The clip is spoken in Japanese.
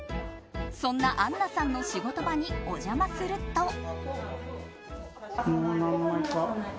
そんな杏奈さんの仕事場にお邪魔すると。